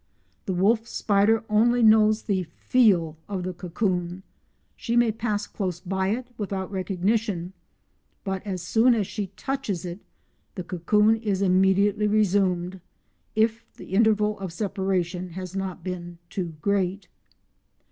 The wolf spider only knows the feel of the cocoon; she may pass close by it without recognition, but as soon as she touches it the cocoon is immediately resumed—if the interval of separation has not been too great.